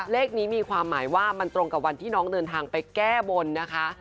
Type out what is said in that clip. เลขนี้มีความหมายว่ามันตรงกับวันที่น้องเดินทางไปแก้บนนะคะ